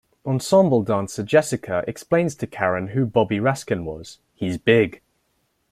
Ensemble dancer Jessica explains to Karen who Bobby Raskin was: He's big.